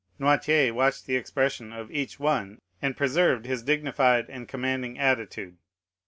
Noirtier watched the expression of each one, and preserved his dignified and commanding attitude.